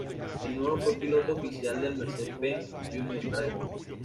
De nuevo fue piloto oficial del Mercedes-Benz Junior Driver.